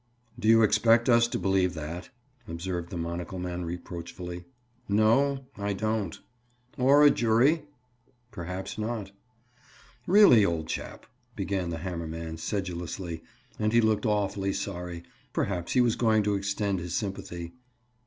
"Do you expect us to believe that?" observed the monocle man reproachfully. "No, I don't." "Or a jury?" "Perhaps not." "Really, old chap"—began the hammer man sedulously, and he looked awfully sorry. Perhaps he was going to extend his sympathy.